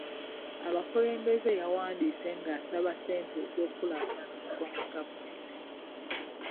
Abakulembeze yawandiise nga asaba ssente z'enkulaakulana okuva mu gavumenti.